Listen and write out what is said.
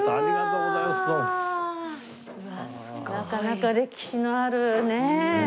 なかなか歴史のあるねえ。